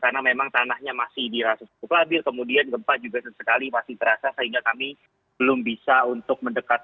karena memang tanahnya masih dirasuk berasuk labir kemudian gempa juga sesekali masih terasa sehingga kami belum bisa untuk mendekat